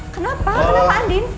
kenapa kenapa andin